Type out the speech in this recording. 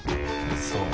そう。